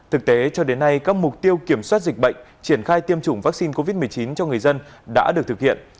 thực tế cho đến nay các mục tiêu kiểm soát dịch bệnh triển khai tiêm chủng vaccine covid một mươi chín cho người dân đã được thực hiện